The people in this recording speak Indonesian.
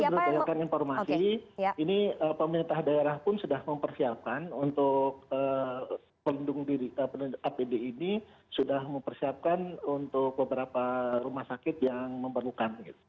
kita berdasarkan informasi ini pemerintah daerah pun sudah mempersiapkan untuk pelindung diri apd ini sudah mempersiapkan untuk beberapa rumah sakit yang memerlukan